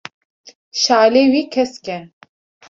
şalê wî kesk e.